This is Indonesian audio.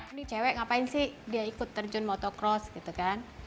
ini cewek ngapain sih dia ikut terjun motocross gitu kan